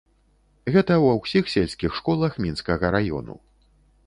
Гэта ва ўсіх сельскіх школах мінскага раёну.